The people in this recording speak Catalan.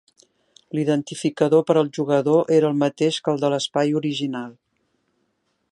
L'identificador per al jugador era el mateix que el de l'espai original.